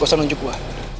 gak usah nunjuk gue